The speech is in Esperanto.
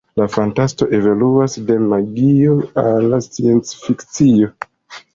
La fantasto evoluas de magio al sciencfikcio.